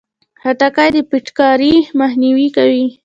خټکی د فټکاري مخنیوی کوي.